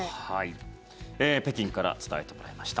北京から伝えてもらいました。